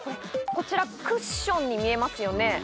こちらクッションに見えますよね。